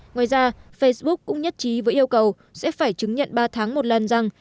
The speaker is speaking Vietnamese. ngoài ra facebook cũng nhất trí với yêu cầu sẽ phải chứng nhận ba tháng một lần rằng